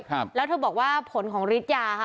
ครับแล้วเธอบอกว่าผลของฤทธิยาค่ะ